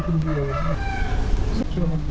ชาวบ้านเค้าคุยกันไว้